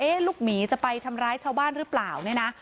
ลูกหมีจะไปทำร้ายชาวบ้านหรือเปล่าเนี่ยนะ